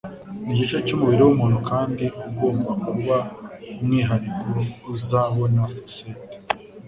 Niki gice cyumubiri wumuntu kandi ugomba kuba umwihariko Uzabona Fossette?